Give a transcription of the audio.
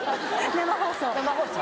生放送。